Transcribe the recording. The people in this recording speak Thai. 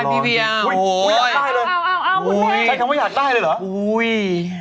จัดคำว่าอยากได้เลยหรอ